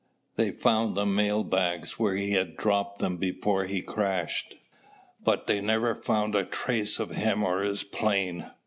They found the mailbags where he had dropped them before he crashed, but they never found a trace of him or his plane."